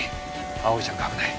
葵ちゃんが危ない！